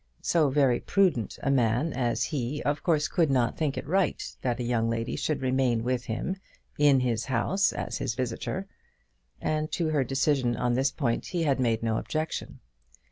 So very prudent a man as he of course could not think it right that a young lady should remain with him, in his house, as his visitor; and to her decision on this point he had made no objection.